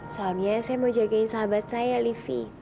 soalnya saya mau jagain sahabat saya livi